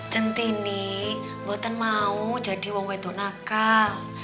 centini bok tak mau jadi orang yang nakal